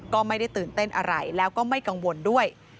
ก็ไม่ได้ตื่นเต้นอะไรแล้วก็ไม่กังวลด้วย